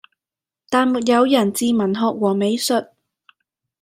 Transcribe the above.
，但沒有人治文學和美術；